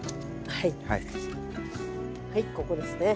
はいここですね。